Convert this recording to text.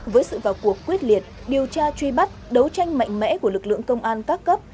với sự vào cuộc quyết liệt điều tra truy bắt đấu tranh mạnh mẽ của lực lượng công an các cấp